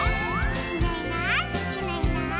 「いないいないいないいない」